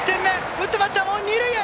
打ったバッターも二塁へ！